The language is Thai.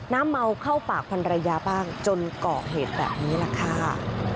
เมาเข้าปากพันรยาบ้างจนเกาะเหตุแบบนี้แหละค่ะ